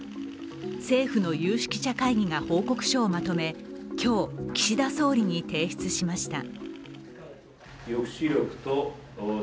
政府の有識者会議が報告書をまとめ、今日、岸田総理に提出しました。